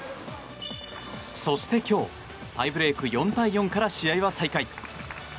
そして今日タイブレーク４対４から試合は再開。